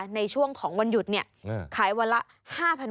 ในช่วงของวันหยุดขายวันละ๕๐๐บาท